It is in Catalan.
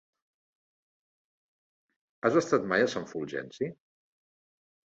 Has estat mai a Sant Fulgenci?